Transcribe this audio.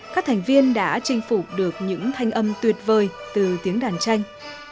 các thành viên đã chinh phục được những thanh âm tuyệt vời từ tiếng đàn tranh